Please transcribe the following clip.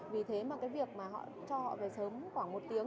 vì thế mà cái việc mà họ cho họ về sớm khoảng một tiếng